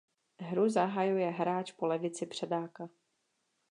Hru zahajuje hráč po levici předáka.